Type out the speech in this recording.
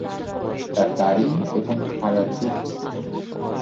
তার দাড়ি এবং খাড়া চুল ছিল।